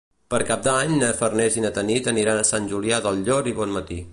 Per Cap d'Any na Farners i na Tanit aniran a Sant Julià del Llor i Bonmatí.